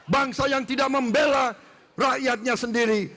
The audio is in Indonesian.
bangsa yang tidak membela rakyatnya sendiri